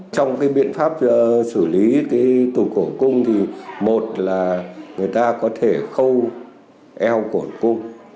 trong biện pháp xử lý tụt cổ cung thì một là người ta có thể khâu eo cổ cung